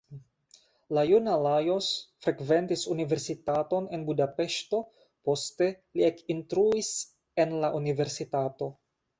La juna Lajos frekventis universitaton en Budapeŝto, poste li ekinstruis en la universitato.